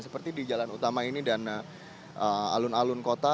seperti di jalan utama ini dan alun alun kota